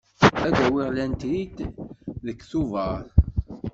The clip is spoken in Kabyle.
Ad awiɣ lantrit deg Tubeṛ.